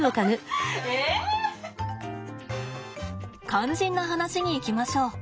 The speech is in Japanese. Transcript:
肝心な話にいきましょう。